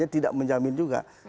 tidak menjamin juga